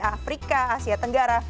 afrika asia tenggara